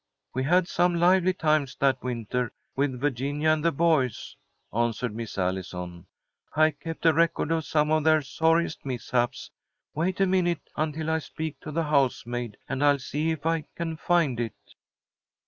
"We had some lively times that winter with Virginia and the boys," answered Miss Allison. "I kept a record of some of their sorriest mishaps. Wait a minute until I speak to the housemaid, and I'll see if I can find it."